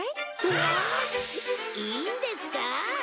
いいんですか？